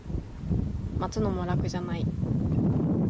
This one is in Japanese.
待つのも楽じゃない